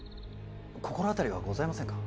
心当たりはございませんか。